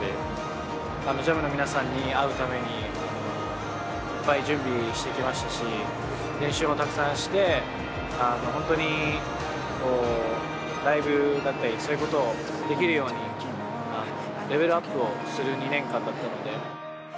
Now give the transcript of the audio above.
ＪＡＭの皆さんに会うためにいっぱい準備してきましたし練習もたくさんして本当にライブだったりそういうことをできるようにレベルアップをする２年間だったので。